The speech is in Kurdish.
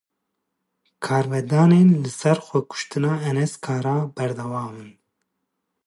Karvedanên li ser xwekuştina Enes Kara berdewam in.